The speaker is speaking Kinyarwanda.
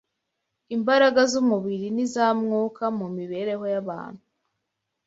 imbaraga z’umubiri n’iza Mwuka mu mibereho y’abantu.